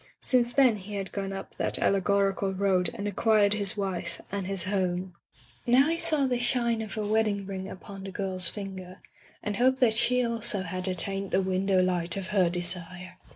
Since then he had gone up that allegorical road and acquired his wife and his home. Now he saw the shine of a wedding ring upon the girFs finger, and [ 353 ] Digitized by LjOOQ IC Interventions hoped that she also had attained the win dow light of her desire.